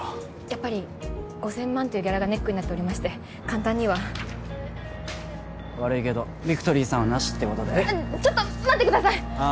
やっぱり５０００万というギャラがネックになっておりまして簡単には悪いけどビクトリーさんはなしってことでちょっと待ってくださいああ